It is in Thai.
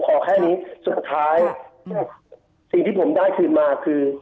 ขอแค่นี้สุดท้ายสิ่งที่ผมได้คืนมาคือ